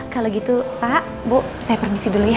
kalau gitu pak bu saya permisi dulu ya